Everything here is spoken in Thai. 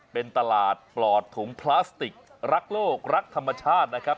เป็นตลาดปลอดถุงพลาสติกรักโลกรักธรรมชาตินะครับ